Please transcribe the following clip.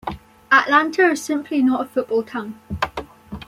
Atlanta is simply not a football town.